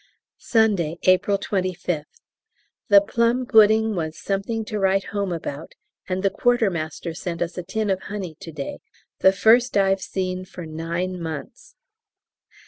Sunday, April 25th. The plum pudding was "something to write home about!" and the Quartermaster sent us a tin of honey to day, the first I've seen for nine months.